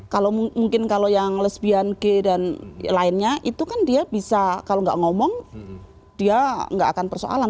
kalau mungkin kalau yang lesbian gay dan lainnya itu kan dia bisa kalau nggak ngomong dia nggak akan persoalan